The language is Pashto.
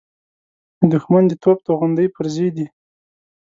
د دښمن د توپ د توغندۍ پرزې دي.